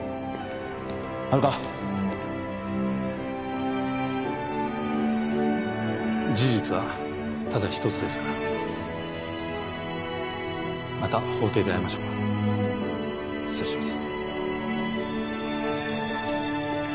丸川事実はただ一つですからまた法廷で会いましょう失礼します